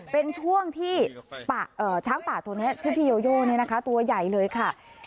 เป็นช่วงที่ช้างป่าตัวนี้ชื่อพี่โยโยตัวใหญ่เลยค่ะ